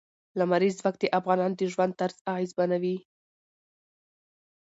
لمریز ځواک د افغانانو د ژوند طرز اغېزمنوي.